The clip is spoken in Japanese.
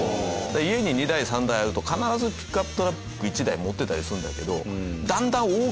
家に２台３台あると必ずピックアップトラック１台持ってたりするんだけど。